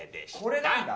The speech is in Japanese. これなんだ！